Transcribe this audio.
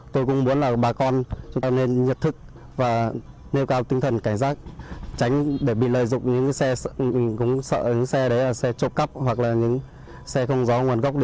tôi cũng muốn là bà con nên nhật thức và nâng cao tinh thần cảnh giác tránh để bị lợi dụng những xe cũng sợ những xe đấy là xe trộm cắp hoặc là những xe không gió nguồn gốc